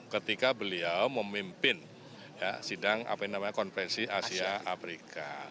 ketika beliau memimpin sidang apa ini namanya konferensi asia afrika